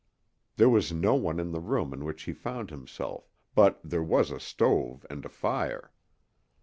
There was no one in the room in which he found himself, but there was a stove and a fire.